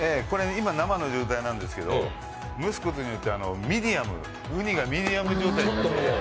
今、生の状態なんですけど、蒸すことによって、うにがミディアム状態になるので。